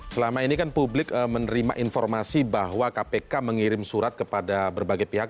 selama ini kan publik menerima informasi bahwa kpk mengirim surat kepada berbagai pihak